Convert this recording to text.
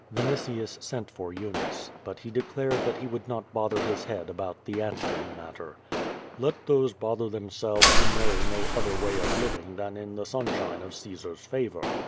Vinitius sent for P^unice. But he declared that he would not bother his head about the Antium matter. "Let those bother themselves who know no other way of living than in the sunshine of Caesars favor.